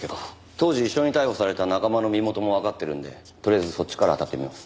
当時一緒に逮捕された仲間の身元もわかってるんでとりあえずそっちからあたってみます。